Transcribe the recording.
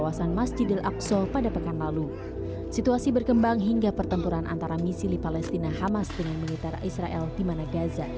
akan menolong dengan sangat besar harga terhadap penyerangan mereka